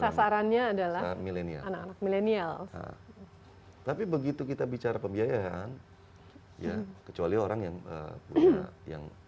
sasarannya adalah milenial milenial tapi begitu kita bicara pembiayaan ya kecuali orang yang yang